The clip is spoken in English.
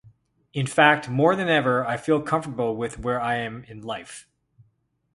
In fact, more than ever, I feel comfortable with where I am in life.